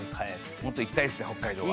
もっと行きたいですね北海道は。